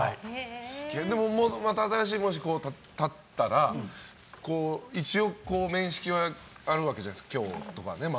また新しいもの建てたら一応面識はあるじゃないですか今日とかね。